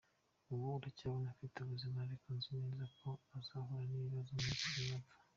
Ubu aracyambona mfite ubuzima ariko nzi neza ko azahura n’ibibazo umunsi nzapfa.